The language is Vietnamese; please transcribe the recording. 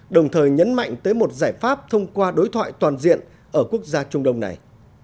đồng thời nhấn mạnh tới một giải pháp thông qua đối thoại toàn diện ở quốc gia trung đông này